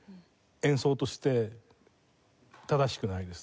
演奏として正しくないです。